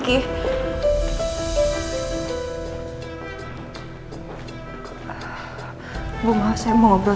kalau cukup sweetheart menginginkan kebolehan